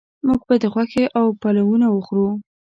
موږ به غوښې او پلونه وخورو